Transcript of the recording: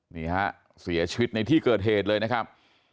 นี่ฮะเสียชีวิตในที่เกิดเหตุเลยนะครับ